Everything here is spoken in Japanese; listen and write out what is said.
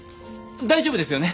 大丈夫ですよね？